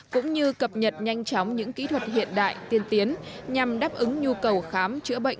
cũng như cập nhật nhanh chóng những kỹ thuật hiện đại tiên tiến nhằm đáp ứng nhu cầu khám chữa bệnh